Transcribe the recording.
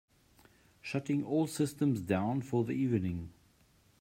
Shutting all systems down for the evening.